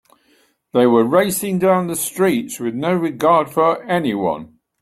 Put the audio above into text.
They were racing down the streets with no regard for anyone.